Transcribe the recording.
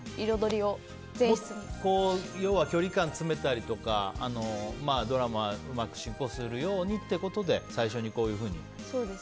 要は、距離感を詰めたりとかドラマ、うまく進行するようにということで最初にこういうふうな。